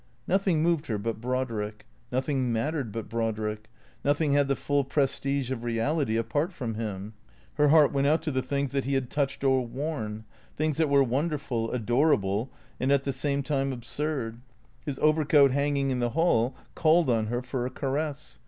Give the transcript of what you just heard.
Nothing moved her but Brodrick ; nothing mattered but Brod rick; nothing had the full prestige of reality apart from him. Her heart went out to the things that he had touched or worn ; things that were wonderful, adorable, and at the same time absurd. His overcoat hanging in the hall called on her for a caress.